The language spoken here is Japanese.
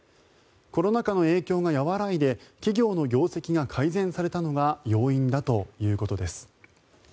コロナ禍の影響が和らいで企業の業績が改善されたのが要因だということです。